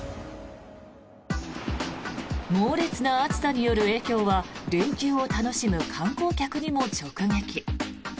猛烈な暑さによる影響は連休を楽しむ観光客にも直撃。